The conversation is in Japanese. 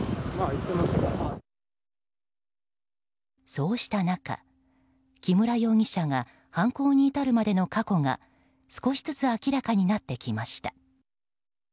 そうした中、木村容疑者が犯行に至るまでの過去が少しずつ明らかになってきました。